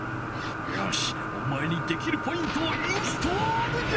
よしおまえにできるポイントをインストールじゃ！